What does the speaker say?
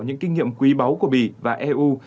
những kinh nghiệm quý báu của bỉ và eu